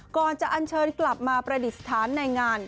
ก่อนจะอันเชิญกลับมาประดิษฐานในงาน